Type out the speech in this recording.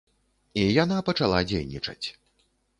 І яна пачала дзейнічаць.